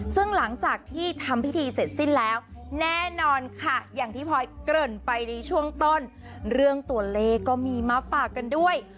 ซึ่งหลังจากที่ทำพิธีเสร็จสิ้นแล้วแน่นอนค่ะอย่างที่พลอยเกริ่นไปในช่วงต้นเรื่องตัวเลขก็มีมาฝากกันด้วย